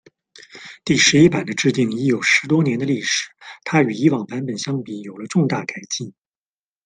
第十一版的制定已有十多年的历史，它与以往版本相比有了重大改进。